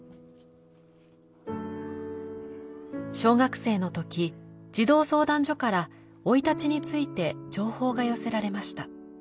小学生のとき児童相談所から生い立ちについて情報が寄せられました。